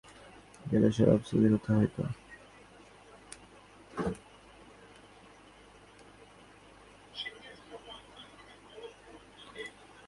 মতির সুন্দর গড়নটি চর্বিতে ঢাকিয়া গেলে বড় আপসোসের কথা হইত।